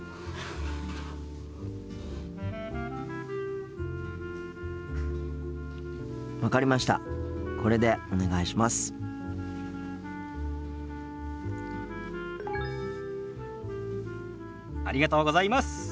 ありがとうございます。